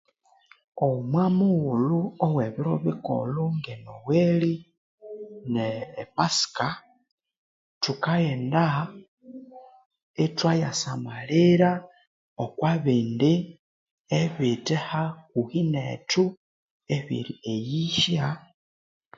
Omwa mughulhu owe biro bikulhu nge Noeli ne e Pasika, thukaghenda ithwaya samalira okwa bindi ebithe hakuhi nethu ebiri eyihya.